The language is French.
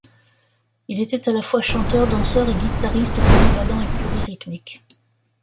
Il était à la fois chanteur, danseur et guitariste polyvalent et pluri-rythmique.